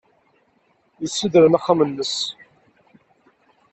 Yessedrem axxam-nnes.